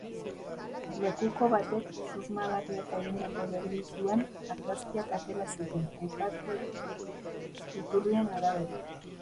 Lekuko batek susmagarriak egindako delituen argazkiak atera zituen, aipatu iturrien arabera.